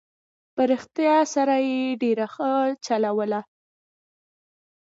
په رښتیا سره یې ډېره ښه چلوله.